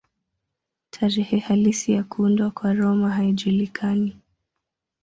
Tarehe halisi ya kuundwa kwa Roma haijulikani.